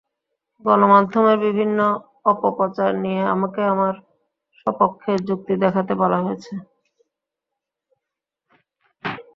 গণমাধ্যমের বিভিন্ন অপপ্রচার নিয়ে আমাকে আমার সপক্ষে যুক্তি দেখাতে বলা হয়েছে।